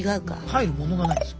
入るものがないんです。